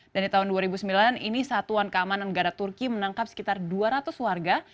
dan di tahun dua ribu sembilan ini satuan keamanan negara turki menangkap sekitar dua ratus warga